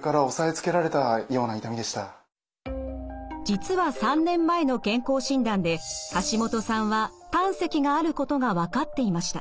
実は３年前の健康診断でハシモトさんは胆石があることが分かっていました。